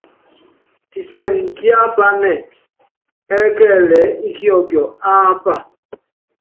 Kisɛŋɛ kíápanɛ́ ɛ́kɛlɛ ɛ́ɛ́ íkiɔkiɔ ápa.